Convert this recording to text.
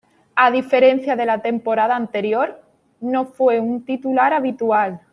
A diferencia de la temporada anterior, no fue un titular habitual.